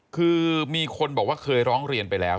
คือมีคนบอกว่าเคยร้องเรียนไปแล้ว